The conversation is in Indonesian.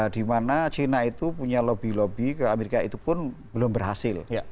dimana china itu punya lobby lobby ke amerika itu pun belum berhasil